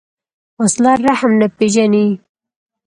وسله رحم نه پېژني